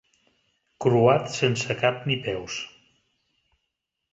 Croat sense cap ni peus.